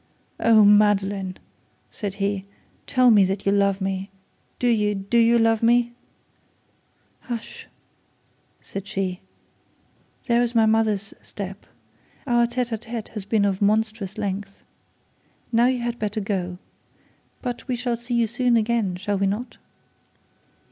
'Oh, Madeline!' said he, 'tell me that you love me do you do you love me?' 'Hush,' said she. 'There is mother's step. Our tete a tete has been of monstrous length. Now you had better go. But we shall see you soon again, shall we not?'